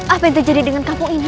apa yang terjadi dengan kampung ini